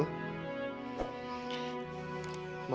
aku mau kembali ke rumah